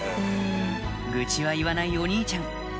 愚痴は言わないお兄ちゃん